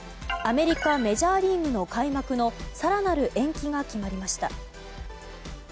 アメリカメジャーリーグの開幕の更なる延期が決まりました。